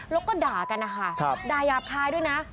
แล้วก็ด่ากันนะคะด่ายาบคายด้วยนะ